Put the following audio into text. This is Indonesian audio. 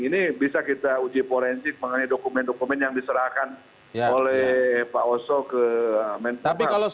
ini bisa kita uji forensik mengenai dokumen dokumen yang diserahkan oleh pak oso ke menkumham